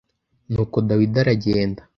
Nuko Dawidi aragenda